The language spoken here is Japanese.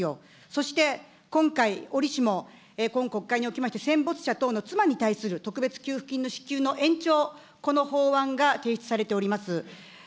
そして今回、折しも、今国会におきまして、戦没者等の妻に対する特別給付金の支給の延長、この法案が提出されております。